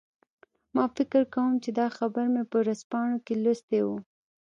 ما فکر کوم چې دا خبر مې په ورځپاڼو کې لوستی و